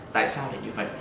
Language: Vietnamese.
tại sao lại như vậy